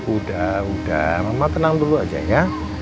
udah udah mama tenang dulu aja ya